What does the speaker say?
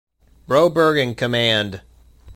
Broberg in command.